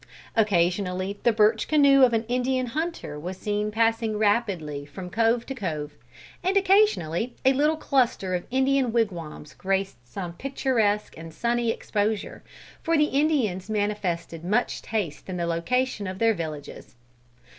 Occasionally the birch canoe of an Indian hunter was seen passing rapidly from cove to cove, and occasionally a little cluster of Indian wigwams graced some picturesque and sunny exposure, for the Indians manifested much taste in the location of their villages.